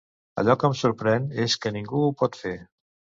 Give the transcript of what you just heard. Allò que em sorprèn és que ningú ho pot fer.